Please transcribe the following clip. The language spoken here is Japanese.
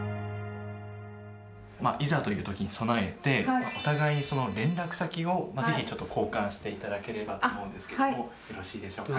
いざという時に備えてお互いに連絡先をぜひ交換して頂ければと思うんですけどもよろしいでしょうか？